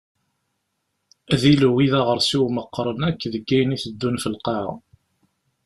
D ilew i d aɣersiw meqqren akk deg ayen iteddun ɣef lqaɛa.